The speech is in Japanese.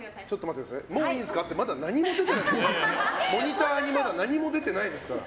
もういいんすかってモニターにまだ何も出てないですから。